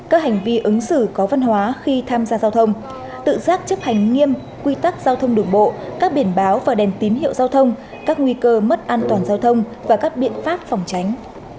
các hành vi ứng xử có văn hóa khi tham gia giao thông tự giác chấp hành nghiêm quy tắc giao thông đường bộ các biển báo và đèn tín hiệu giao thông các nguy cơ mất an toàn giao thông và các biện pháp phòng tránh